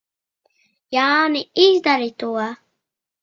Jāni, izdari to!